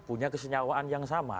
punya kesenyawaan yang sama